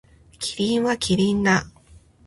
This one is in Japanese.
キリンはキリンだ。